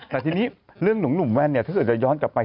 แต่ทีนี้เรื่องหนุ่มแว่นเนี่ยถ้าเกิดจะย้อนกลับไป